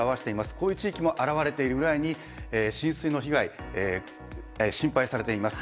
こういう地域も表れているぐらいに浸水の危険が心配されています。